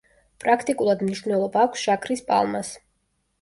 პრაქტიკულად მნიშვნელობა აქვს შაქრის პალმას.